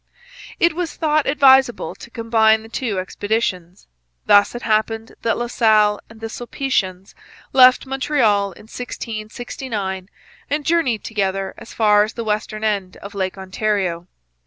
It was thought advisable to combine the two expeditions. Thus it happened that La Salle and the Sulpicians left Montreal in 1669 and journeyed together as far as the western end of Lake Ontario.